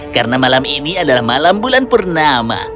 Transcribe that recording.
karena malam ini adalah malam bulan purnama